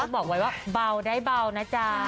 บอกไว้ว่าเบาได้เบานะจ๊ะ